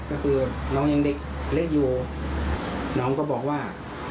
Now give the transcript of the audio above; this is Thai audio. ก็คือน้องยังเด็กเล็กอยู่น้องก็บอกว่า